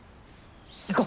行こう！